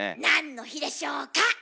なんの日でしょうか？